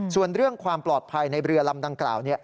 ส่วนเรื่องความปลอดภัยในเรือลำดังกล่าว